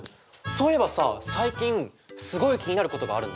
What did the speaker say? そういえばさ最近すごい気になることがあるんだよね。